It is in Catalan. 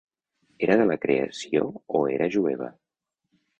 Era de la creació o era jueva.